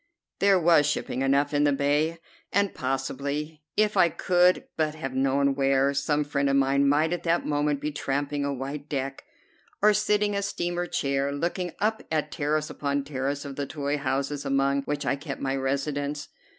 There was shipping enough in the bay, and possibly, if I could but have known where, some friend of mine might at that moment be tramping a white deck, or sitting in a steamer chair, looking up at terrace upon terrace of the toy houses among which I kept my residence.